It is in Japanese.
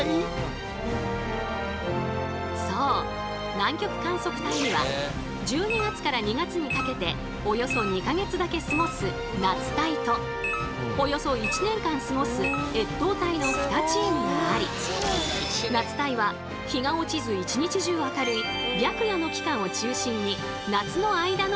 南極観測隊には１２月から２月にかけておよそ２か月だけ過ごす夏隊とおよそ１年間過ごす越冬隊の２チームがあり夏隊は日が落ちず一日中明るい白夜の期間を中心に夏の間のみ滞在。